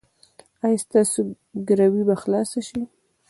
ایا ستاسو ګروي به خلاصه شي؟